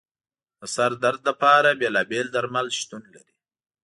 د سر درد لپاره بېلابېل درمل شتون لري.